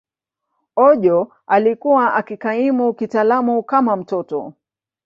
Ojo alikuwa akikaimu kitaaluma kama mtoto.